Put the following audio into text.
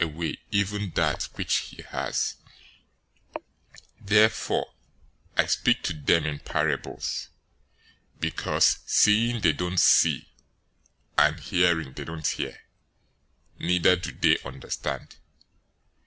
013:013 Therefore I speak to them in parables, because seeing they don't see, and hearing, they don't hear, neither do they understand.